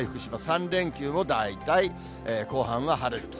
３連休も大体後半は晴れると。